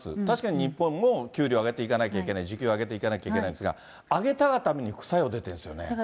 確かに日本も給料を上げていかなければいけない、時給上げていかなきゃいけないわけですが、上げたがために副作用が出てるんですよね。